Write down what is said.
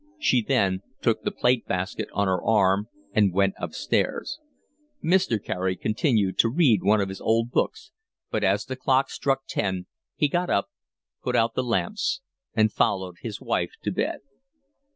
She then took the plate basket on her arm and went upstairs. Mr. Carey continued to read one of his old books, but as the clock struck ten he got up, put out the lamps, and followed his wife to bed.